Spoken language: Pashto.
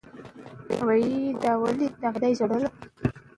احمدشاه بابا په جګړه کې خپله توره وځلوله.